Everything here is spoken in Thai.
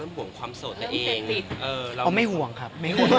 หวังไม่ห่วงครับ